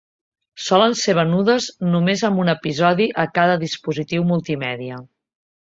Solen ser venudes només amb un episodi a cada dispositiu multimèdia.